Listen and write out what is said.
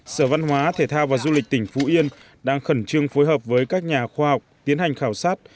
sở văn hóa thể thao và du lịch tỉnh phú yên đang khẩn trương phối hợp với các nhà khoa học tiến hành khảo sát